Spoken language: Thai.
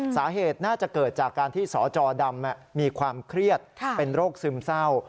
สาเหตุน่าจะเกิดจากการที่สจดำมีความเครียดเป็นโรคซึมเศร้า